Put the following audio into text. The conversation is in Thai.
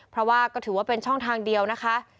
เพราะว่าก็ถือว่าเป็นช่องทางเดียวนะคะ